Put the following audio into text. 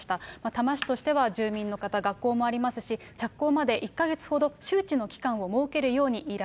多摩市としては住民の方、学校もありますし、着工まで１か月ほど周知の期間を設けるように依頼。